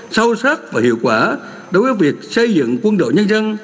sâu sắc và hiệu quả đối với việc xây dựng quân đội nhân dân